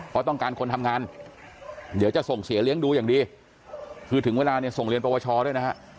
เพราะต้องการคนทำงานเดี๋ยวจะส่งเสียเลี้ยงดูอย่างดีคือถึงเวลาเนี่ยส่งเรียนปวชด้วยนะฮะ